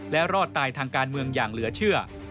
และรอดตายทางการเมืองอย่างเหลือเชื่อ